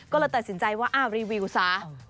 ก็เลยตัดสินใจว่าอ้าวรีวิวซะ